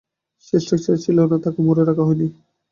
সে স্ট্রেচারে ছিল না, তাকে মুড়ে রাখা হয়নি।